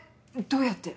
どうやって？